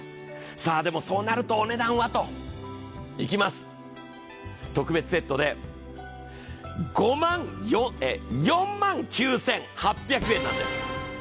でもそうなると、お値段はと。いきます、特別セットで４万９８００円なんです。